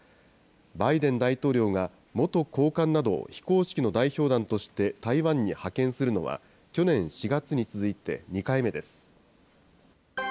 バイデン大統領が元高官などを、非公式の代表団として台湾に派遣するのは、去年４月に続いて２回目です。